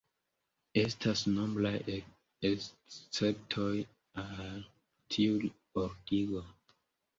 Estas nombraj esceptoj al tiu ordigo.